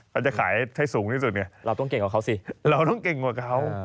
เขาจะขายให้สูงที่สุดไงเราต้องเก่งกว่าเขาสิเราต้องเก่งกว่าเขา